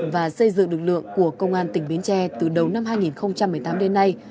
và xây dựng lực lượng của công an tỉnh bến tre từ đầu năm hai nghìn một mươi tám đến nay